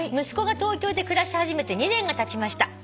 「息子が東京で暮らし始めて２年がたちました」